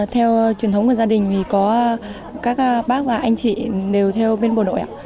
theo truyền thống của gia đình thì có các bác và anh chị đều theo bên bộ đội